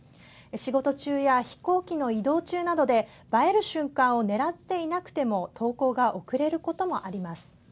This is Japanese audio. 仕事中や飛行機の移動中などで映える瞬間をねらっていなくても投稿が遅れることもあります。